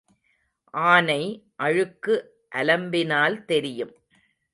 ஆனை அழுக்கு அலம்பினால் தெரியும்.